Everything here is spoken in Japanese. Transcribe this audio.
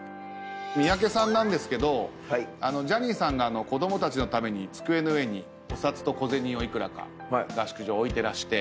三宅さんなんですけどジャニーさんが子供たちのために机の上にお札と小銭を幾らか合宿所置いてらして。